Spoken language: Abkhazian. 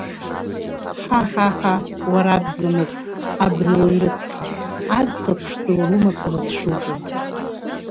Ҳа, ҳа, ҳа, уара абзамыҟә, абнауаҩ рыцҳа, аӡӷаб ԥшӡа уара умацара дшутәым…